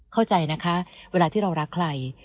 เข้าใจนะคะเวลาที่เรารักใคร